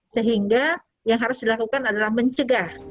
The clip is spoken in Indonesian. sehingga yang harus dilakukan adalah mencegah